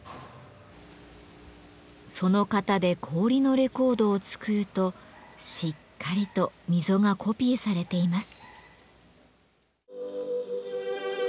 その型で氷のレコードを作るとしっかりと溝がコピーされています。